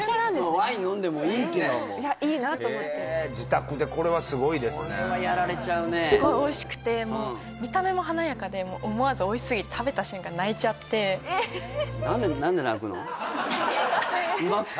ワイン飲んでもいいけどもいやいいなあと思って自宅でこれはすごいですねこれはやられちゃうねすごいおいしくて見た目も華やかで思わずおいしすぎてええうまくて？